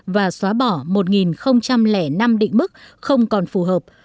và xóa bỏ một năm đỉnh bức không còn phù hợp